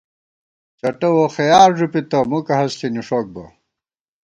چٹہ ووخَیار ݫُپِتہ ، مُکہ ہست ݪی نِݭوک بہ